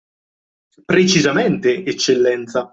Precisamente, Eccellenza!